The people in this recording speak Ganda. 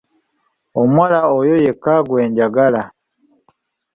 Omuwala oyo yekka gwe njagala.